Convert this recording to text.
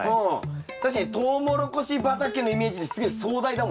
確かにトウモロコシ畑のイメージってすげえ壮大だもんね。